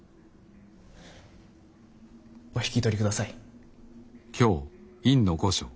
お引き取りください。